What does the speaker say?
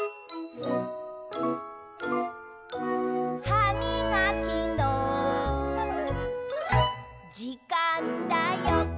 「はみがきのじかんだよ！」